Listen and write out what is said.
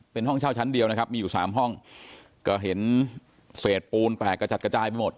เป็นห้องเช่าชั้นเดียวนะครับมีอยู่สามห้องก็เห็นเศษปูนแตกกระจัดกระจายไปหมด